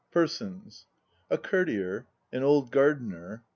PERSONS A COURTIER. AN OLD GARDENER.